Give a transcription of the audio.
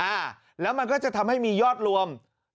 อ่าแล้วมันก็จะทำให้มียอดรวม